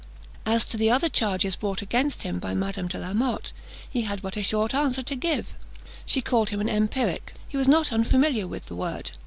As to the other charges brought against him by Madame de la Motte, he had but a short answer to give. She had called him an empiric. He was not unfamiliar with the word.